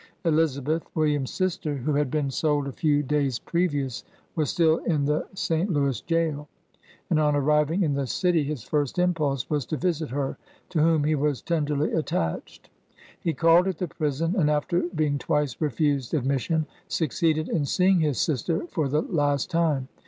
Elizabeth, William's sister, who had been sold a few days previous, was still in the St. Louis jail ; and on arriving in the city, his first impulse was to visit her, to whom he was tenderly attached. He called at the prison, and after being twice refused admission, succeeded in seeing his sister for the last time.